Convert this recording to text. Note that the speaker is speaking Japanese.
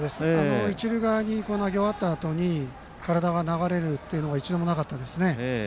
一塁側に投げ終わったあとに体が流れることは一度もなかったですね。